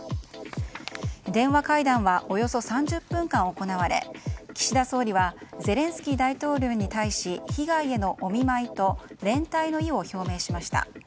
電話会談はおよそ３０分間行われ岸田総理はゼレンスキー大統領に対し被害へのお見舞いと連帯の意を表明しました。